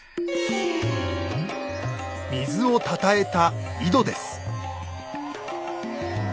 水をたたえた井戸です。